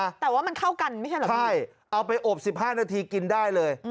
แต่ว่ามันเข้ากันไม่ใช่แบบนี้ใช่เอาไปอบ๑๕นาทีกินได้เลย